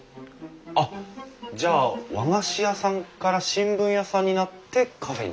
あっじゃあ和菓子屋さんから新聞屋さんになってカフェに？